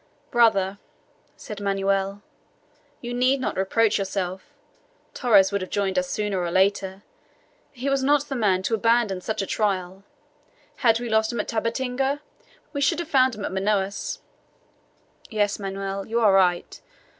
"Brother," said Manoel, "you need not reproach yourself. Torres would have joined us sooner or later. He was not the man to abandon such a trail. Had we lost him at Tabatinga, we should have found him at Manaos." "Yes, Manoel, you are right.